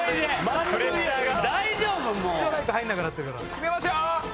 決めますよ！